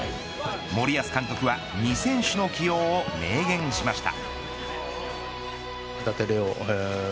森保監督は２選手の起用を明言しました。